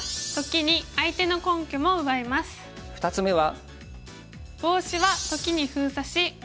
２つ目は。